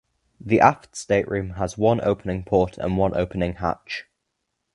The aft stateroom has one opening port and one opening hatch.